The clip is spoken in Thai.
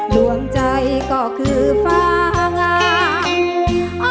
ดวงใจก็คือฟ้างาม